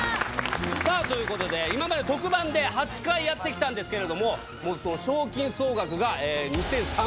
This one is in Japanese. さあということで今まで特番で８回やってきたんですけれどもえ・大丈夫？